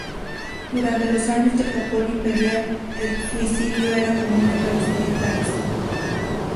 Durante los años del Japón imperial, el suicidio era común entre los militares.